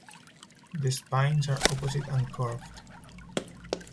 The spines are opposite and curved.